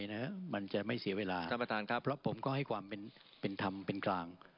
ท่านประธานครับกับขวายฝ่าย